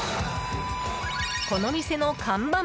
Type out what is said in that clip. この店の看板